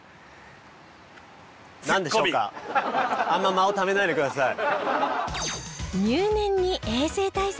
あんま間をためないでください。